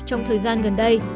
trong thời gian gần đây